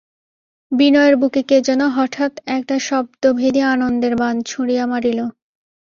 বিনয়ের বুকে কে যেন হঠাৎ একটা শব্দভেদী আনন্দের বাণ ছুঁড়িয়া মারিল।